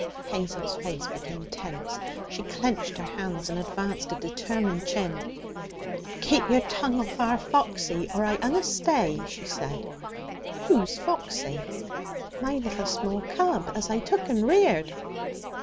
Hazel's face became tense. She clenched her hands and advanced a determined chin. 'Keep yer tongue off our Foxy, or I unna stay!' she said. 'Who's Foxy?' 'My little small cub as I took and reared.'